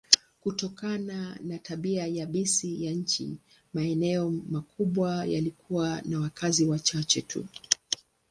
Kutokana na tabia yabisi ya nchi, maeneo makubwa yalikuwa na wakazi wachache tu.